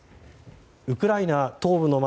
ウクライナ東部の街